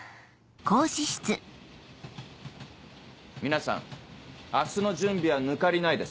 皆さん明日の準備は抜かりないですね？